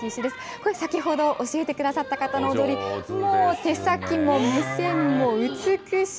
これ、先ほど教えてくださった方の踊り、もう、手先も目線も美しい。